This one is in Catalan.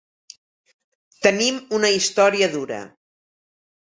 Tenim una història dura.